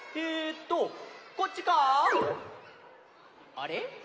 あれ？